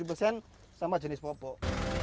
dua puluh tujuh persen sampah jenis popok